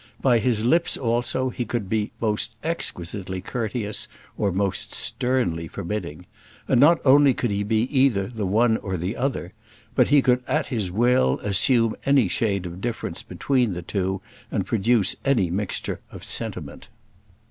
By his lips, also, he could be most exquisitely courteous, or most sternly forbidding. And not only could he be either the one or the other; but he could at his will assume any shade of difference between the two, and produce any mixture of sentiment.